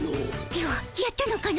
ではやったのかの？